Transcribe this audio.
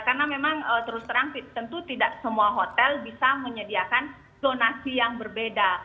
karena memang terus terang tentu tidak semua hotel bisa menyediakan zonasi yang berbeda